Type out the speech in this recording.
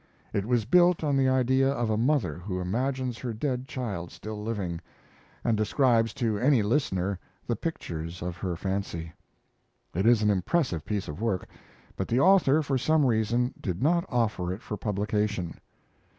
It was built on the idea of a mother who imagines her dead child still living, and describes to any listener the pictures of her fancy. It is an impressive piece of work; but the author, for some reason, did not offer it for publication.